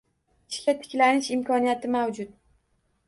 Ishga tiklanish imkoniyati mavjud.